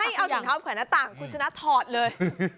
เอาถุงเท้าแขวนหน้าต่างคุณชนะถอดเลย